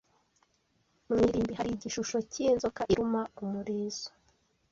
Mu irimbi, hari igishusho cyinzoka iruma umurizo.